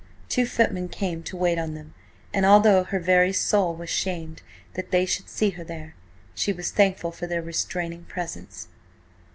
Two footmen came to wait on them, and although her very soul was shamed that they should see her there, she was thankful for their restraining presence.